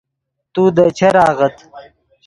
تو دے چر آغت